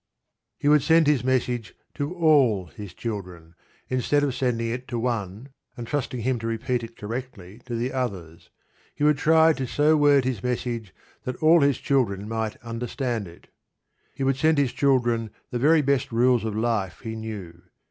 He would send his message to all his children, instead of sending it to one, and trusting him to repeat it correctly to the others. He would try to so word his message as that all his children might understand it. He would send his children the very best rules of life he knew.